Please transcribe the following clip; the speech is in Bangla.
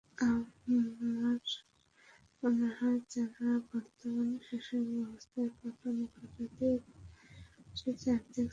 আমার মনে হয় তারা বর্তমান শাসন ব্যবস্থার পতন ঘটাতে ভাইরাসটি চারদিকে ছড়াচ্ছে।